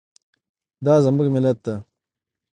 دا زموږ ملت ده